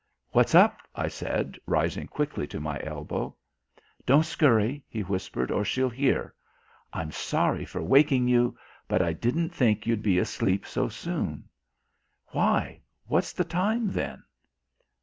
"What's up?" I said, rising quickly to my elbow. "Don't scurry," he whispered, "or she'll hear. I'm sorry for waking you, but I didn't think you'd be asleep so soon." "Why, what's the time, then?"